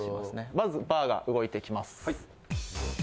まずバーが動いてきます。